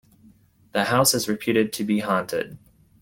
The house is reputed to be haunted.